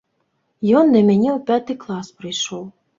Ён да мяне ў пяты клас прыйшоў.